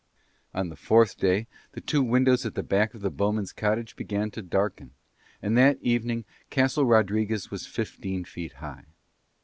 On the fourth day the two windows at the back of the bowmen's cottage began to darken, and that evening Castle Rodriguez was fifteen feet high.